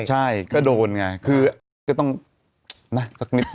ใช่ก็โดนไงคืออันนี้ก็ต้องนะสักนิด